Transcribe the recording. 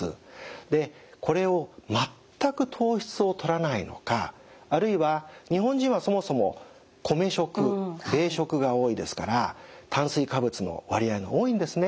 でこれを全く糖質をとらないのかあるいは日本人はそもそも米食が多いですから炭水化物の割合も多いんですね。